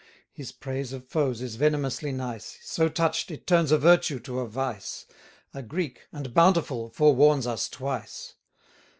His praise of foes is venomously nice; So touch'd, it turns a virtue to a vice: "A Greek, and bountiful, forewarns us twice."